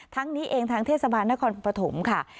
นี้เองทางเทศบาลนครปฐมค่ะ